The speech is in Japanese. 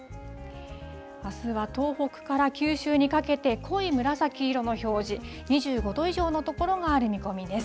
あすは東北から九州にかけて、濃い紫色の表示、２５度以上の所がある見込みです。